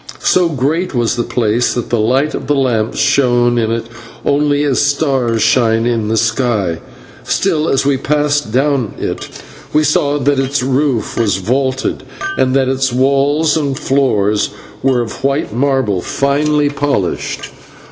So great was the place that the light of the lamps shone in it only as stars shine in the sky, still, as we passed down it, we saw that its roof was vaulted, and that its walls and floor were of white marble finely polished.